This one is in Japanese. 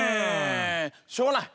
しょうがない。